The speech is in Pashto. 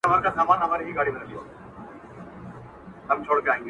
بوډا وویل پیسو ته نه ژړېږم-